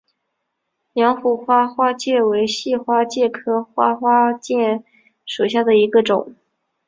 阳虎花花介为细花介科花花介属下的一个种。